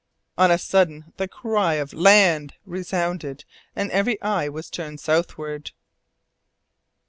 On a sudden the cry of "Land!" resounded, and every eye was turned southwards.